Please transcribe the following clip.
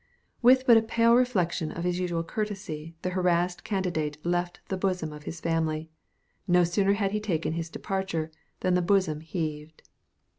With but a pale reflection of his usual courtesy the harassed candidate left the bosom of his family. No sooner had he taken his departure than the bosom heaved.